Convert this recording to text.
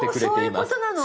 おそういうことなの！